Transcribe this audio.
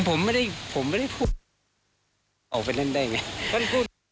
ผมไม่ได้พูดออกไปดั้งได้ไง